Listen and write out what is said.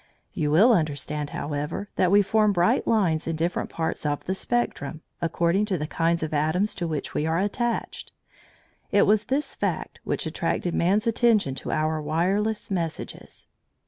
You will understand, however, that we form bright lines in different parts of the spectrum, according to the kinds of atoms to which we are attached. It was this fact which attracted man's attention to our wireless messages.